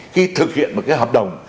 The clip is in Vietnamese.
khi thực hiện một cái hợp đồng